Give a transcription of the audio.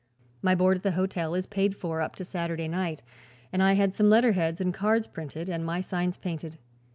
My board at the hotel is paid for up to Saturday night, and I had some letterheads and cards printed and my signs painted.